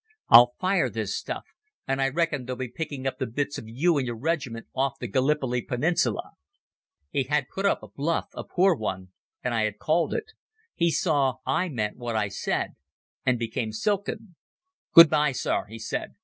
I'll fire this stuff, and I reckon they'll be picking up the bits of you and your regiment off the Gallipoli Peninsula." He had put up a bluff—a poor one—and I had called it. He saw I meant what I said, and became silken. "Good bye, sir," he said.